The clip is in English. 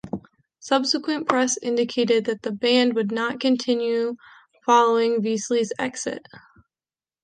Subsequent press indicated that the band would not continue following Vesely's exit.